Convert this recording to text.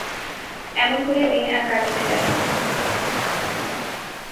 এমন করিয়া দিন আর কাটিতে চাহে না।